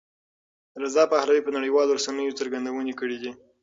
رضا پهلوي په نړیوالو رسنیو څرګندونې کړې دي.